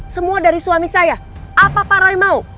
semua dari suami saya apa pak rai mau